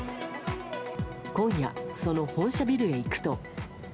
今夜、その本社ビルへ行くと。